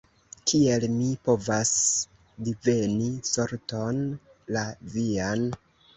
Kiel mi povas diveni sorton la vian?